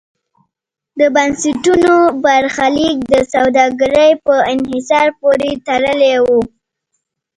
د بنسټونو برخلیک د سوداګرۍ په انحصار پورې تړلی و.